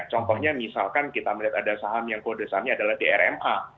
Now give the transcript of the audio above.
contohnya misalkan kita melihat ada saham yang kode sahamnya adalah drma